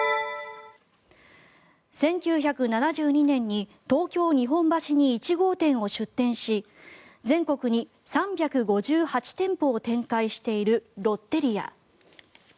１９７２年に東京・日本橋に１号店を出店し全国に３５８店舗を展開しているロッテリア。